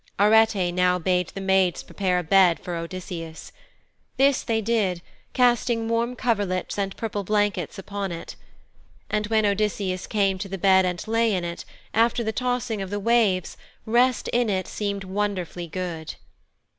Arete now bade the maids prepare a bed for Odysseus. This they did, casting warm coverlets and purple blankets upon it. And when Odysseus came to the bed and lay in it, after the tossing of the waves, rest in it seemed wonderfully good.